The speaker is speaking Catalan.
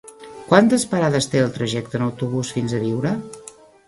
Quantes parades té el trajecte en autobús fins a Biure?